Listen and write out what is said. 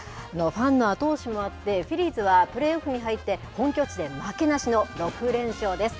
ファンの後押しもあって、フィリーズはプレーオフに入って、本拠地で負けなしの６連勝です。